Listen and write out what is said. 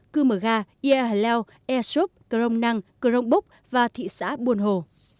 cư mở gà ia hà leo aesop cờ rông năng cờ rông bốc và thị xã buồn hồ